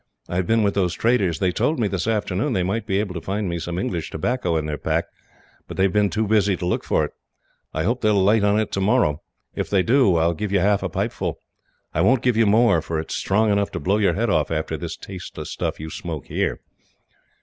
"I have been with those traders. They told me, this afternoon, they might be able to find me some English tobacco in their pack; but they have been too busy to look for it. I hope they will light on it, tomorrow. If they do, I will give you half a pipeful. I won't give you more, for it is strong enough to blow your head off, after this tasteless stuff you smoke here."